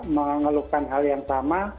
mengelukkan hal yang sama